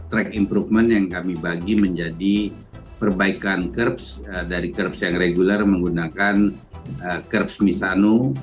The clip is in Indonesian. dan track improvement yang kami bagi menjadi perbaikan kerbs dari kerbs yang regular menggunakan kerbs misano